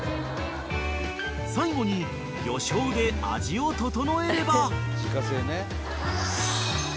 ［最後に魚醤で味を調えれば］